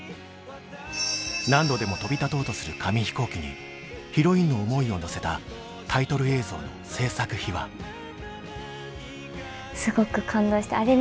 何度でも飛び立とうとする紙飛行機にヒロインの思いを乗せたすごく感動してあれ